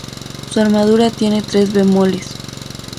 Su armadura tiene tres bemoles.